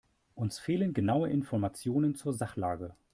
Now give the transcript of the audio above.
Uns fehlen genaue Informationen zur Sachlage.